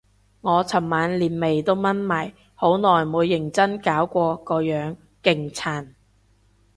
我尋晚連眉都掹埋，好耐冇認真搞過個樣，勁殘